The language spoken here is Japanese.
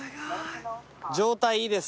状態いいです。